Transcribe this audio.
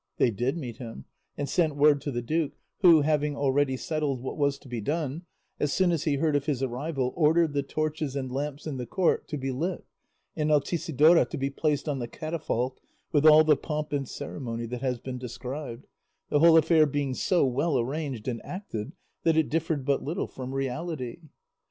They did meet him, and sent word to the duke, who, having already settled what was to be done, as soon as he heard of his arrival, ordered the torches and lamps in the court to be lit and Altisidora to be placed on the catafalque with all the pomp and ceremony that has been described, the whole affair being so well arranged and acted that it differed but little from reality.